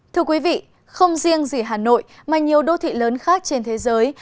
thưa quý vị không riêng gì hà nội mà nhiều đô thị lớn khác trên thế giới